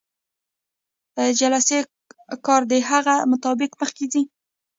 د جلسې کار د هغې مطابق مخکې ځي.